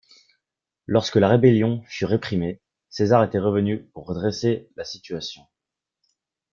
Lorsque la rébellion fut réprimée, César était revenu pour redresser la situation.